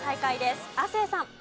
亜生さん。